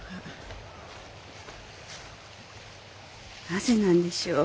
なぜなんでしょう。